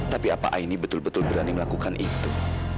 tapi apa aini betul betul berani melakukan itu